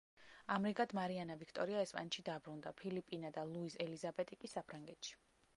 ამრიგად, მარიანა ვიქტორია ესპანეთში დაბრუნდა, ფილიპინა და ლუიზ ელიზაბეტი კი საფრანგეთში.